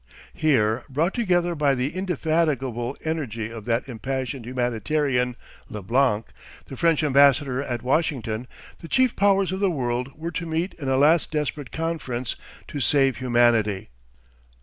Here, brought together by the indefatigable energy of that impassioned humanitarian, Leblanc, the French ambassador at Washington, the chief Powers of the world were to meet in a last desperate conference to 'save humanity.